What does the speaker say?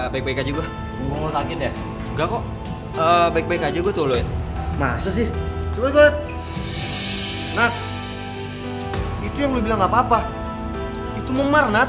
baik baik aja gue